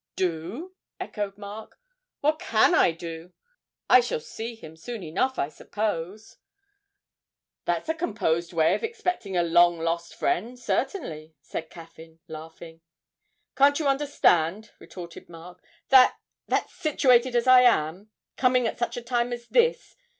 'Do?' echoed Mark. 'What can I do? I shall see him soon enough, I suppose.' 'That's a composed way of expecting a long lost friend certainly,' said Caffyn, laughing. 'Can't you understand,' retorted Mark, 'that that, situated as I am ... coming at such a time as this